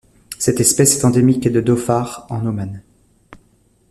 Cette espèce est endémique de Dhofar en Oman.